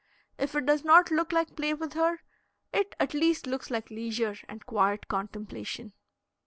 If it does not look like play with her, it at least looks like leisure and quiet contemplation.